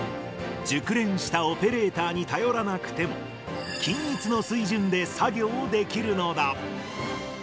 熟練したオペレーターに頼らなくても、均一の水準で作業をできるのだ。